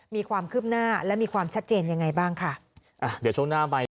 มีความคืบหน้าและมีความชัดเจนยังไงบ้างค่ะอ่าเดี๋ยวช่วงหน้าใบเนี้ย